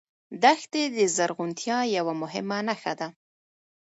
دښتې د زرغونتیا یوه مهمه نښه ده.